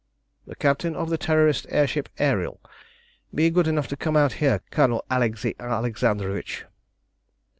"The captain of the Terrorist air ship Ariel. Be good enough to come out here, Colonel Alexei Alexandrovitch."